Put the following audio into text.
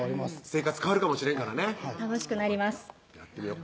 生活変わるかもしれんからね楽しくなります